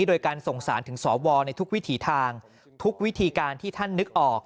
โดยการส่งสารถึงสวในทุกวิถีทางทุกวิธีการที่ท่านนึกออก